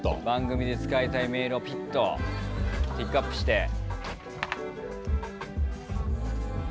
番組で使いたいメールをピッとピックアップして。